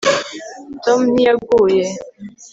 tom ntiyaguye